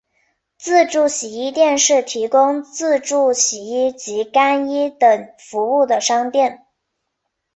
自助洗衣店是提供自助洗衣及干衣等服务的商店。